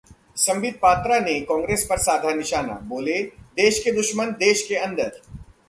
संबित पात्रा ने कांग्रेस पर साधा निशाना, बोले-देश के दुश्मन देश के अंदर